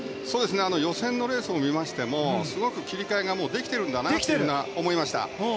予選レースを見ましてもすごく切り替えが、もうできているんだなと思いました。